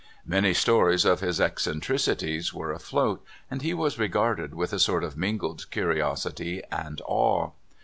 Many stories of his eccen tricities were afloat, and he was regarded with a sort of min^irled curiosity and awe.